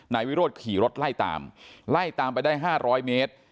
นายวิโรธขี่รถไล่ตามไล่ตามไปได้๕๐๐เมตร